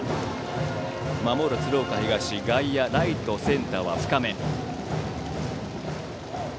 鶴岡東外野、ライト、センターは深め。